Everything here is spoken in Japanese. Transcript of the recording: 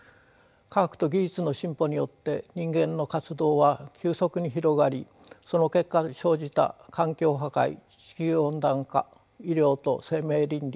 科学と技術の進歩によって人間の活動は急速に広がりその結果生じた環境破壊地球温暖化医療と生命倫理